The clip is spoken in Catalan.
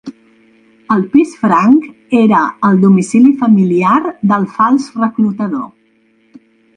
El pis franc era el domicili familiar del fals reclutador.